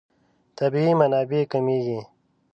طبیعي منابع کمېږي.